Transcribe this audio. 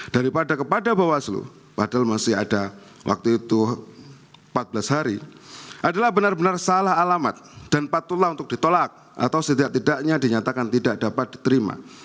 daripada kepada bawaslu padahal masih ada waktu itu empat belas hari adalah benar benar salah alamat dan patutlah untuk ditolak atau setidaknya dinyatakan tidak dapat diterima